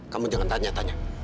kamu jangan tanya tanya